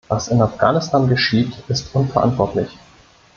Was in Afghanistan geschieht, ist unverantwortlich.